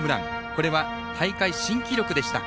これは大会新記録でした。